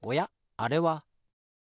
あれは。